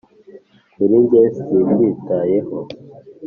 kuri njye sibyitayeho.